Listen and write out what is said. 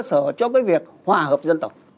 cơ sở cho cái việc hòa hợp dân tộc